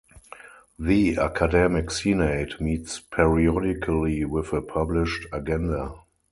The academic senate meets periodically with a published agenda.